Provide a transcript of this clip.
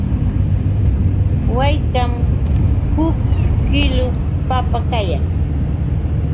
¿Haykam huk kiilu papa kayan?